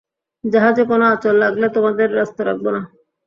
জাহাজে কোনো আঁচড় লাগলে, তোমাদের আস্ত রাখবো না।